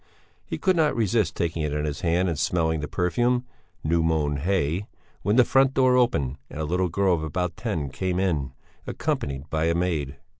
He could not resist taking it in his hand and smelling the perfume new mown hay when the front door opened and a little girl of about ten came in accompanied by a maid.